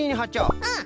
うん。